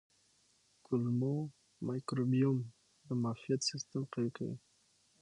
کولمو مایکروبیوم د معافیت سیستم قوي کوي.